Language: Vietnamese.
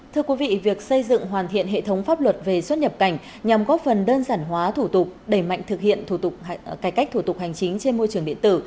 thưa quý vị việc xây dựng hoàn thiện hệ thống pháp luật về xuất nhập cảnh nhằm góp phần đơn giản hóa thủ tục đẩy mạnh thực hiện thủ tục cải cách thủ tục hành chính trên môi trường điện tử